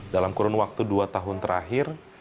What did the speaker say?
dalam kurun waktu dua tahun terakhir